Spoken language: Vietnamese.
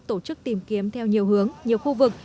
tổ chức tìm kiếm theo nhiều hướng nhiều khu vực